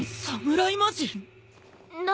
何？